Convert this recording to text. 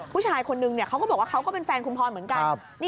ผู้ชายคนนึงเขาก็บอกว่าเขาก็เป็นแฟนคุณพรเหมือนกัน